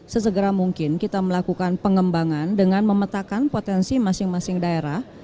sesegera mungkin kita melakukan pengembangan dengan memetakan potensi masing masing daerah